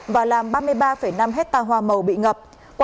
và làm ba mươi ba năm hectare hoa màu bị ngập